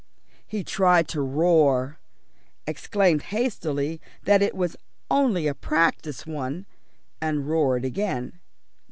He tried to roar, exclaimed hastily that it was only a practice one, and roared again.